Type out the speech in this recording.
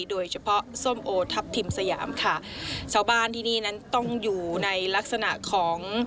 ส้มโอทัพทิมสยามค่ะชาวบ้านที่นี่นั้นต้องอยู่ในลักษณะของ